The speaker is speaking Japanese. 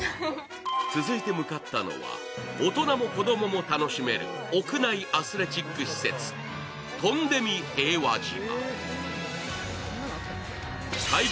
続いて向かったのは、大人も子供も楽しめる屋内アスレチック施設、トンデミ平和島。